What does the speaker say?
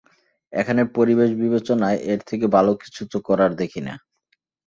এখানের পরিবেশ বিবেচনায়, এর থেকে ভালো কিছু তো করার দেখি না।